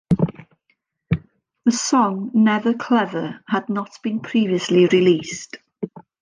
The song "Never Clever" had not been previously released.